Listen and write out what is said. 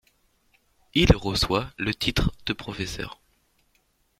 Il reçoit le titre de professeur.